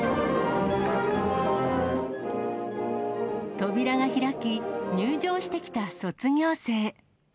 扉が開き、入場してきた卒業生。